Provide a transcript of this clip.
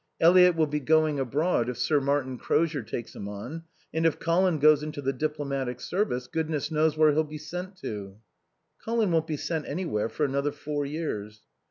Eliot will be going abroad if Sir Martin Crozier takes him on. And if Colin goes into the diplomatic service Goodness knows where he'll be sent to." "Colin won't be sent anywhere for another four years."